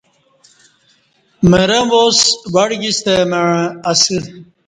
مرں واس وڑگی ستہ مع اسہ